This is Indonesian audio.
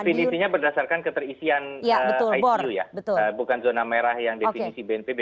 definisinya berdasarkan keterisian icu ya bukan zona merah yang definisi bnpb